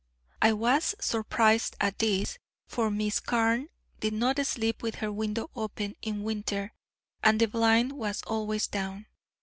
I was surprised at this, for Miss Carne did not sleep with her window open in winter, and the blind was always down.